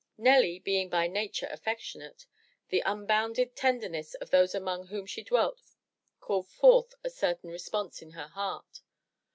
Nelly, being by nature affectionate, the unbounded tenderness of those among whom she dwelt called forth a certain response in her heart.